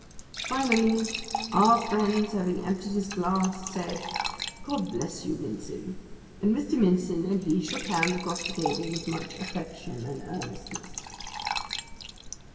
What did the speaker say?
Finally, our friend having emptied his glass, said, 'God bless you, Mincin,'—and Mr. Mincin and he shook hands across the table with much affection and earnestness.